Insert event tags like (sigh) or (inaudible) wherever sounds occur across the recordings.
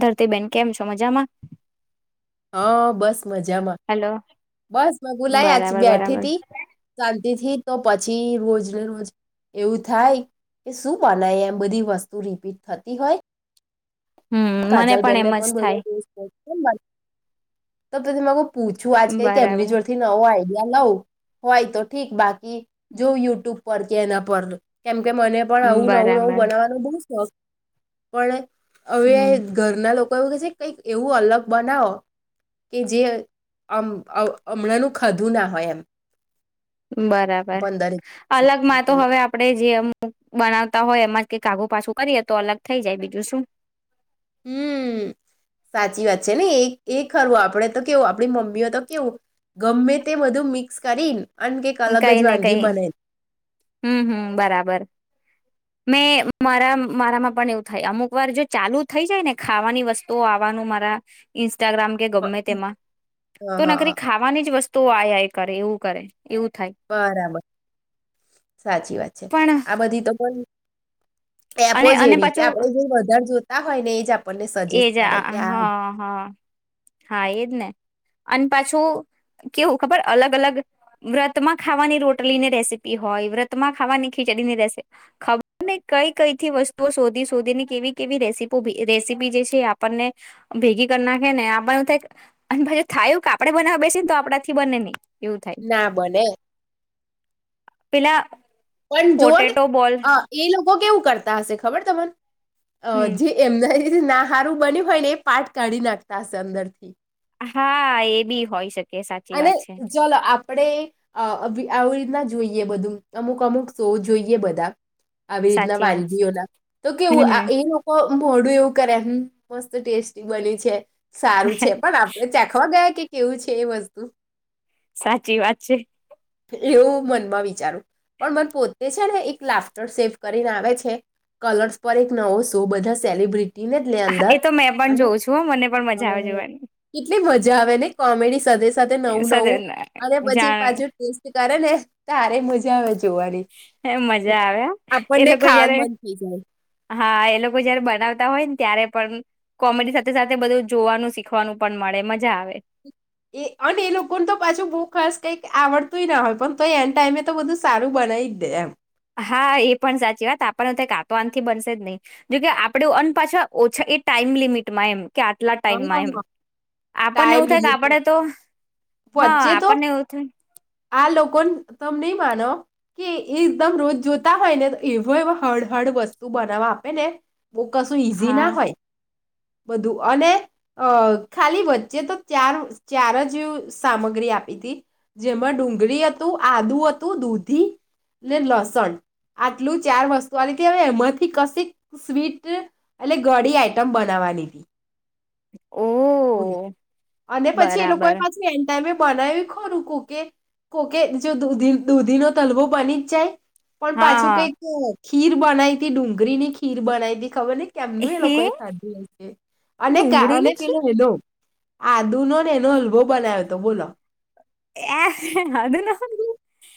ધરતીબેન કેમ છો મજામાં? હા બસ મજામાં, હેલો બસ બબુલાય આજ બરાબર બરાબર બેઠિતી. તેથી તો પછી રોજ ને રોજ એવું થાય કે શું બનાય એમ બધી વસ્તુ રિપીટ થતી હોય. હમ મને કાજલ બેેનને એમ જ પણ બધા થાય ટેસ્ટ તોથીમાંગ (unintelligible) પૂછું આજ કઈ કે એમની બરાબર જોડથી ન હોય લવ, હોય તો ઠીક બાકી જો યુટ્યુબ પર કે એના પર કેમ મને પણ આવું નવું નવું બરાબર બનાવવાનો બહુ શોખ વળક અવે એ હમ ઘરના લોકો એવું કે છે કંઈક એવું અલગ બનાવો, કે જે હમણાંનું ખધું ના હોય એમ. બરાબર, પંદર અલગમાં તો બોલો હવે આપડે જેમ બનાવતા હોય એમાં જ કે કાાગુ પાછું કરીએ તો અલગ થઈ જાય બીજું શું હમ્મ સાચી વાત છે ને એ એ ખરવું આપડે તો કેવું આપણી મમ્મીઓ તો કેવું ગમે તે બધું મિક્સ કરી ને અને કેક અલગ જ વાનગી બને હમ્મ હમ્મ બરાબર. મે મારા મારામાં પણ એવું થાય અમુક વાર જો ચાલુ થઈ જાય ને ખાવાની વસ્તુઓ આવવાનું મારા ઇન્ટગ્રામ કે ગમે તેમાં હા તો હા નકરી ખાવાની જ વસ્તુ. તો આ આઈ કરે એવું કરે. એવું થાય બરાબર સાચી વાત છે પણ આ બધી તો એપો અને જ અને એવી કે પાછું આપડે જો વધારે જો નાા હોને એ જા એજ હ હ હા એજ ને. અને પાછું કેવું ખબર અલગ અલગ વ્રતમાં ખાવાની રોટલી ની રેસીપી હોય વ્રતમાં ખાવાની ખીચડીની રેસીપી. ખબર ને કઈ કઈ થી વસ્તુ. શોધી શોધીની કેવી કેવી રેસીપો રેસ રેસીપી જે છે આપણને ભેગી કરી નાખે ને આપ થાય પછ થાયું એવુ આપડે બનાવ બેસી ને તો આપડા થી બને નહી. એવું થાય ના બને. પેલા. પણ જઓ ને પોટેટો બોલ એ લોકો. કેવું કરતા હશે ખબર તમને અ હમ જે એમના. એ નાહારું બન્યું હોય ને એ પાટ કાઢી નાખતા હશે અંદર થી. હા એ બી હોય શકે. સાચી અને વાત છે ચલો આ આપડે અ આવી રીતના જોઈએ બધું અમુક અમુક સૌ જોઈએ બધા આવી રીતના સાચી વાત છે. વાલવીઓના તો કેવું હમ આ એ હમ લોકો. મ મોડું એવું કરે મસ્ત ટેસ્ટી બનીયુ છે સારું છે પણ આપડે ચાખવા ગયા કે. કેવું છે એ મસ્ત તો સાચી વાત છે. એવું મનમાં વિચારું પણ મને પોતે છે ને એક લાફ્ટર સેફ કરીને આવે છે કલર્સ પર એક નવો શો બધા સેલિબ્રિટી. હા એ તો મેં પણ જોઉં છું મને પણ મજા આવે જોવાની. જે હવે ને કોમેડી સદસ્ય. સાથે નવું સાથે નવું અને પછી જાણ પાછુ કર ને તારે મજા આવે. જોવાની મજા આવે, એ આપણને લોકો જયારે ખાવાનું મન થઈ જાય હા એ લોકો જયારે બનાવતા હોય ને ત્યારે પણ કોમેડી સાથે સાથે બધું જોવાનું શીખવાનું પણ મળે મજા આવે. એ અને એ લોકોને તો પાછું બૂક ખર્ કઈક આવડતુંય ના હોય પણ તો એન ટાઈમે તો બધું સારું બનાવી જ દે એમ. હા એ પણ સાચી વાત આપણને તો કા તો આનથી બનશે જ નહી, જોકે આપણે અ પાછા ઓછા એ ટાઈમ લિમિટમાં એમ. કે આટલા ટાઈમમાં એમ, હા આપણને ટાઈમ એવું થાય કે લીધી આપણે તો હા વચ્ચે તો આપણને એવું થાય આ લોકો તમે નહી માનો, કે એ એકદમ રોજ જોતા હોય ને તો એવો હળ હળ વસ્તુ બનાવવા આપે ને. બુક કસું ઇઝિ હા ના હોય. બધું અને ખાલી વચ્ચે તો ચાર ચાર જ સામગ્રી આપી હતી, જેમાં ડુંગળી હતું આદુ હતું દૂધી, ને લસણ આટલું ચાર વસ્તુ આ હતી હવે એમાંથી કશીક સ્વીટ એટલે ઘળી આઈટમ બનાવવાની હતી. ઓ અને પછી એ લોકો એ બરાબર પાછું એન્ટ બનાવી ખોરું કોકે, કોકે જોધી દૂધી નો તલવો બની જ જાય. પણ હા પાછું હા કઈક છેત ખીર બનાઈ હતી ડુંગરીની ખીર બનાઈ હતી ખબર નહીં. કેમનું એ હે લોકો એ સાધી છે, અને ડુંગળીની આદુનો ને એનો હલ્બો બનાવ્યો હતો બોલો. એ અ ન અ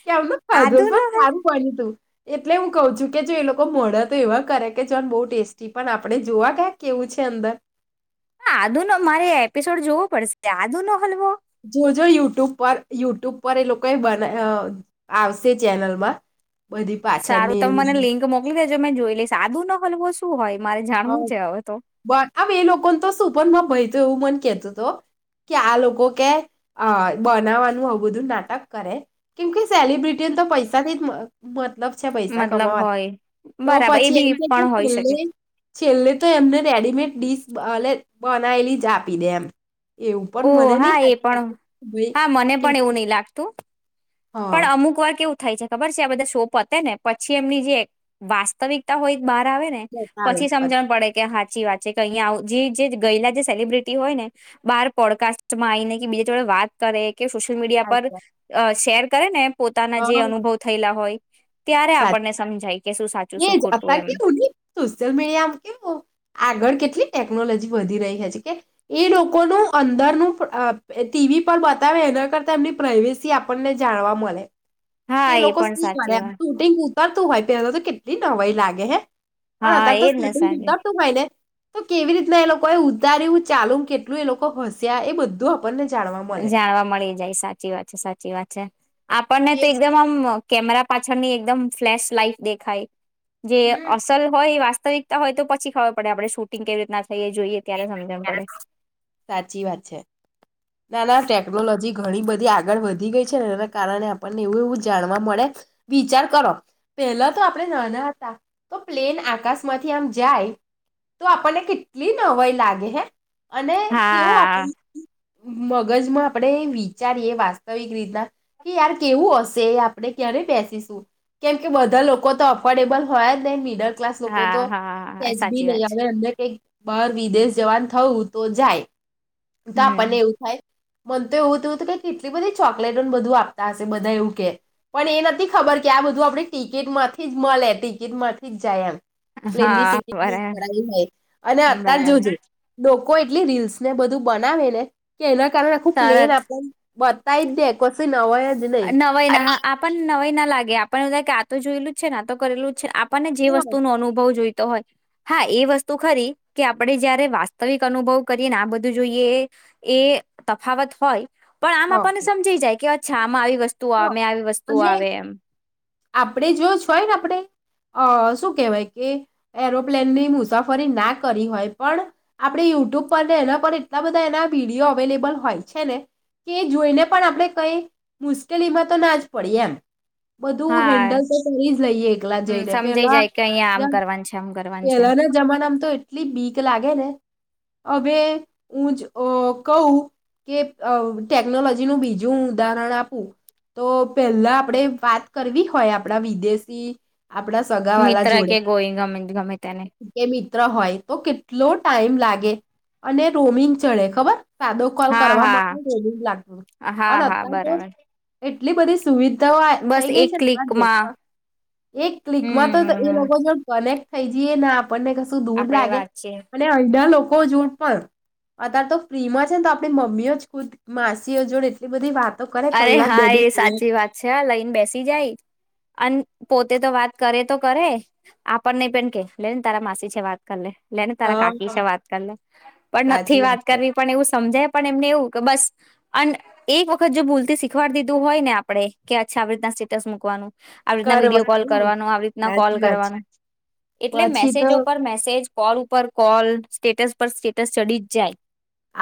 કેમનો ખાધો ન પણ સારું (unintelligible) બન્યું તું એટલે હું કઉું છું કે જો એ લોકો મળે તો એવા કરે કે જોન બહુ ટેસ્ટી પણ આપણે જોવા કયા કેવું છે અંદર. આ નો મારે એપિસોડ જોવો પડશે આદુ નો હલ્વો. જો યુટ્યુબ પર યુટ્યુબ પર એ લોકો બ આવશે ચેનલમાં. બધી સારું પાછળની તમ મને એવી લિંક મોકલી દે જો મે જોઈ લઈ સાદુ નો હલવો શું હોય. મારે હ જાણવું છે હવે તો બ હ એ લોકોને તો સુુંપમાં ભય તો એવું મન કેતું હતો, કે આ લોકો કે બનાવાનું આવું બધું નાટક, કરે કેમ કે સેલિબ્રિટીને તો પૈસા થી જ મતલબ છે પૈસા મતલબ કમાવા, હોય તો બરાબર એ પછી બી એમ કે પણ હોઈ શકે સ છેલ્લે તો એમને રેડીમેડ ડીશ બનાવેલી જ આપી દે એમ. એવું પણ ઓ મને નહી હા એ પણ ભાઈ હા મને કે પણ એવું નહી લાગતું. હા પણ અમુક વાર કેવું થાય છે ખબર છે આ બધા શો પતે ને પછી એમની જે વાસ્તવિકતા હોય બહાર આવે, ને બતાવે પછી સમજણ પડે કે હા સાચી વાત છે કે અહીંયા જે ગયેલા જે સેલિબ્રિટી હોય ને, બાર પોડકાસ્ટમાં આવીને કે બીજા જોડે વાત કરે સોશલ મીડિયા પર બતાવે. શેર કાર ને પોતાના જે અનુભવ થયેલા હોય. ત્યારે સાચ આપણને સમજાય કે શું સાચું એજ શું ખોટું અતાર એમ કેવું સોશિયલ મીડિયામાં કેવું આગળ કેટલી ટેકનોલોજી વધી રહી છે, છે, કે એ લોકોનું અંદરનું ટીવી પર બતાવે એના કરતા એમની પ્રઇવેસી આપણને જાણવા મળે કે હા એ લોકો પણ શું કરે સાચી એમ વાત શૂટિંગ ઉતરતું હોય પેલા તો કેટલી નવાઈ લાગે હે. પણ હા આ તો એજ ને શોધ સાચી (unintelligible) તું (unintelligible) ને. તો કેવી રીતના એ લોકો એ ઉતાર્યું ચાલુ કેટલું એ લોકો હસ્યા એ બધું. આપણને જાણવા મળે જાણવા મળી જાય સાચી વાત છે, સાચી વાત છે. આપણને એ તો એકદમ આમ. કેમેરા પાછળની એકદમ ફ્લેશ લાઈફ દેખાય. જે હમ અસલ હોય વાસ્ત (unintelligible) હોય તો પછી ખર પડે આપણે શૂટિંગ કેવી રીતના. થ જોઈએ ત્યારે સમજણ પડે. સાચી વાત છે ના ના ટેકનોલોજી ઘણી બધી આગળ વધી ગઈ છે, એના કારણે આપણને એવું એવું જાણવા મળે વિચાર કરો પેલા તો આપણે નાના હતા તો પ્લેન આકાશ માંથી આમ જાય તો આપણને કેટલી નવાઈ લાગે હે. અને કેવું આપણ. હા મગજમાં આપણે વિચારીએ વાસ્તવિક રીતના કે યાર કેવું હશે આપણે ક્યારે બેસીશું કેમ કે બધા લોકો તો અફોર્ડેબલ હોય જ ને મીડ ક્લાસ લોકો હા તો હા સજ બી સાચી નહી વાત આવે છે. એમને કંઈક બહાર વિદેશ જવાન થયું તો જાય. તો આપણને હમ. એવું મને તો એવું થયું હતું કે કેટલી બધી ચોકલેટોને બધું આપતા હશે બધા એવું કે પણ એ નથી ખબર કે આ બધું આપણે ટિકિટ માંથી જ મળે ટિકિટ માંથી જ જાય એમ. (unintelligible) હા સીટ. બરાબર (unintelligible) જાય અને અતાર બરાબર જોજું. કોઈ એટલી રીલ્સ ને બધું બનાવે ને. કેના. કારણ ખૂબ પ્લેન તરત આપ. (unintelligible) કોસ. નવાઈ ના હા આપણ નવાઈ ના લાગે આપ (unintelligible) તો જોયેલું જ છે તો કરેલું છે. આપને જે વસ્તુ ન અનુભવ જોઈ. હોય હા એ વસ્તુ ખરી કે આપણે જયારે વાસ્તવિક અનુભવ કરીએને આ બધું જોઈએ એ તફાવત હોય. પણ આ હા બાપાને સમજી જાય કે. અચ્છા આમાં આવી વસ્તુ હા અમે આવી વસ્તુઓ અને આવે એમ. આપણે જો જોય ને આપણે અ શું કહેવાય કે એરોપ્લેનની મુસાફરી ના કરી હોય પણ આપણે યુટ્યુબ પર ને એના પર એટલા બધા એના વિડીયો અવેલેબલ હોય છે, ને કે જોઈને પણ આપણે કઈ મુશ તેટલીમાં તો ના આજ (unintelligible) બધું હા હેન્ડલ તો કરી જ લઈએ એકલા હમ જઈને સમજાઈ પેલા. જાય કે અહિયાં આમ કરવાનું છે આમ કરવાનું છે એમ. પેલાના જમાનામાં તો એટલી બીક લાગે ને હવે હું જ કહું કે ટેકનોલોજી નું બીજું ઉદાહરણ આપું તો પહેલા આપણેે વાત કરવી હોય આપણા વિદેશી આપણા સગાવાલા મિત્રા જોડે કે ગોયંગ મ કે મિત્ર હોય તો કેટલો ટા ટાઈમ લાગે અને રોમીંગ ચડે ખબર સાદો કોલ હા કરવામાં હા પણલું જ લાગતું હા હા અત્યારે તો બરાબર એટલી બધી સુવિધા તો બસ થઈ ગઈ એક છે ક્લિકમાં ને એક ક્લિકમાં તો એ હમ લોકો જો કનેક્ટ થાય જેના આપને કશું દૂર આપડે લાગે વાત છે અને અ લોકો (unintelligible) જોડ પણ અત્યારે તો ફ્રી માં છે ને તો આપણી મમ્મીઓ જ ખુદ માસીઓ જોડ એટલી બધી વાત અરે હા એ સાચી વાત છે હ લઈને બેસી જાય અને પોતે તો વાત કરે તો કરે આપણને પણ કે લેને તારા માસી છે વાત કરી લે. લેને તારા કાકી હા છે વાત કરી લે પણ નથી સાચી વાત છે કરવી પણ એવું સમજે પણ એમને એવું કે બસ અન્ એ વખત ખત જો ભૂલતી શીખવાડી દીધું હોય ને આપણે કે અચ્છા આવી રીતના સ્ટેટસ મૂકવાનું આવી રીતના કરવા વિડીયો કોલ કરવાનું આવી રીતના કોલ સાચી વાત છે કરવાનું એટલે પછી તો મેસેજો પર મેસેજ કોલ ઉપર કોલ સ્ટેટસ પર સ્ટેટસ ચડી જ જાય.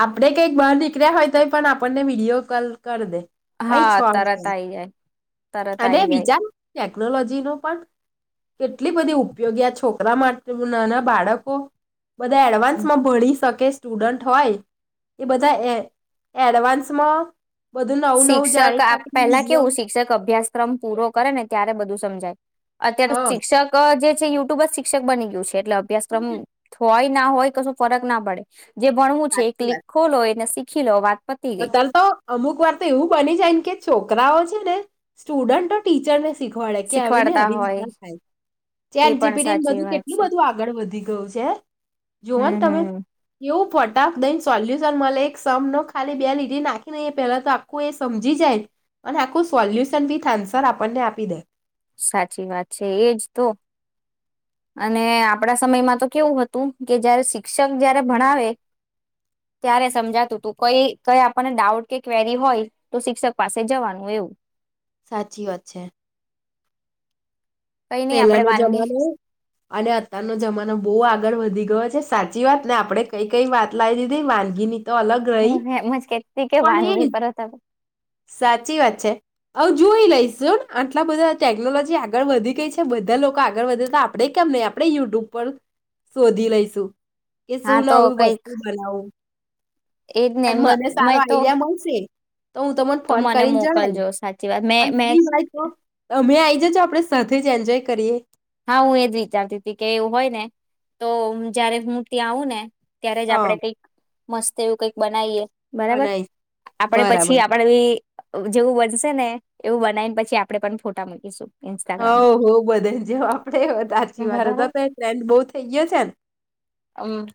આપડે કંઈક બહાર નીકળ્યા હોય તોય પણ આપણને વિડીયો કોલ કરી દે. કઈ છો હા એમ તરત આઈ જાય તરત અને આઈ જાય વિચાર ટેકનોલોજી ન પણ કેટલી બધી ઉપયોગી છોકરી મા માટે નાના બાળકો બધા એડવાન્સ માં ભળી શકે. સ્ટુડન્ટ હોય એ બધા એ એડવાન્સમાં બધું નવું નવું શિક્ષક જાણી શકે પેલા વિડીયો કેવું શિક્ષક અભ્યાસક્રમ પૂરો કરે ને ત્યારે બધું સમજાય. અત્યારે હા શિક્ષક જે યુટુબ જ શિક્ષક બની ગયુ છે. એટલે અભ્યાસક્રમ હોય ના હોય કશું ફરક ના પડે. જે ભણવું છે એક સાચી વાત લીખો લો એને શિરો ભાત અત્યારે તો અમુક વાર તો એવું બની જાય કે છોકરાઓ છે ને સ્ટુડન્ટ ટીચર ને શીખવાડે કે આવીને શીખવાડતા રીત હોય થાય એ ચેટ જિ પણ પી ટી સાચી બધું વાત કેટલું છે બધું આગળ વધી ગયું છે જોવા હમ તમે એવું. હમ બેન સોલ્યુસન મલે એક સમનો ખાલી બે લીટી નાખીને એ પેલા તો આખું એ સમજી જાય અને આખું સોલ્યુશન વિથ આન્સર આપણને આપી દે. સાચી વાત છે એજ તો અને આપડા સમયમાં તો કેવું હતું કે જયારે શિક્ષક જયારે ભણાવે ત્યારે સમજાતું હતું કઈ કઈ આપણને ડાઉટ કે ક્વેરી હોય તો શિક્ષક પાસે જવાનું એવું. સાચી વાત છે. કઈ નઈ પેલા આપડે નો વાનગી જમાનો અને અતાર નો જમાનો બો આગ આગળ વધી ગયો છે સાચી વાત ને આપણે કઈ કઈ વાત લાવી દીધી વાનગીની તો અલગ રહી હું એમ જ કેતી કે પણ વાનગી એ પર હતા સાચી વાત છે. હ જોઈ લઈશ આટલા બધા ટેકનોલોજી આગળ વધી ગઈ છે. બધા લોકો આગળ વધે તો આપણેે કેમ નહી આપણે યુટ્યુબ પર શોધી લઈશું. કે હા શું તો ન કઈક વસ્તુ બનાવું? એજ ને અને મને સારો મેં તો આઈડિયા મળશે તો હું તમને તો ફોન મને કરીને જણાવ મોકલજો સાચી વાત મે અને મેં પલી વાત તો તમે આઈ જજો આપે સાથે એન્જોય કરીએ. હા હું એજ વિચારતી હતી કે એવું હોય ને તો જયારે હું ત્યાં આવું ને ત્યારે જ હા આપડે કઈક મસ્ત એવું કંઈક બનાવીએ. બરાબર બનાવીશ આપડે બરાબર પછી આપડ જેવું બનશે ને એવું બનાવીને પછી આપણેે પણ ફોટા મૂકીશું. હા ઇન્સ્ટાગ્રામમાં હો બ જે આપડે સાચી વાત તો તો બરાબર ટ્રેન્ડ બહુ થઈ ગયો છે હમ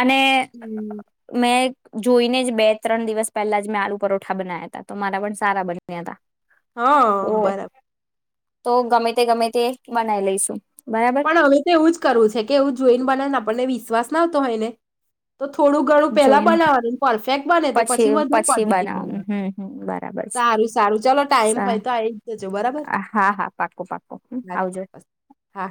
અને હમ્મ મેં જોઈને જ બે ત્રણ દિવસ પહેલા જ મેં આલુ પરોઠા બના્યા હતા તો મારા પણ સારા બન્યા હતા. હા તો બરાબર. તો ગમે તે ગમે તે બનાઈ લેશુ પણ હવે તો એવું જ કરવું છે કે એવું જોઈને બને ને આપણને વિશ્વાસ ન આવતો હોયને તો થોડું ઘણું પેલા જોઈને બનાવાનું પરફેક્ટ બને તો પછી વધારે ક્વોન્ટિટી બનાવાનું બનાવનું. હમ હમ બરાબર સારું સારું ચાલો ટાઈમ છે હોય તો આવી જજો બરાબર હા હા પાકું પાકું હ આવજો ચોક્કસ હા.